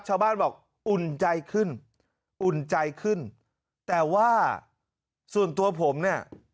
ชาวบ้านบอกอุ่นใจขึ้นอุ่นใจขึ้นแต่ว่าส่วนตัวผมเนี่ย